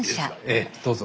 ええどうぞ。